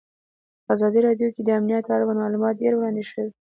په ازادي راډیو کې د امنیت اړوند معلومات ډېر وړاندې شوي.